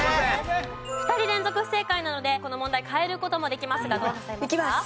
２人連続不正解なのでこの問題変える事もできますがどうなさいますか？